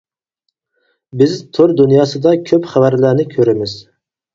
بىز تور دۇنياسىدا كۆپ خەۋەرلەرنى كۆرىمىز.